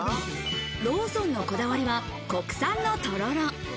ローソンのこだわりは国産のとろろ。